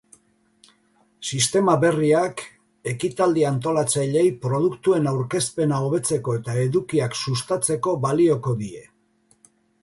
Sistema berriak ekitaldi antolatzaileei produktuen aurkezpena hobetzeko eta edukiak sustatzeko balioko die.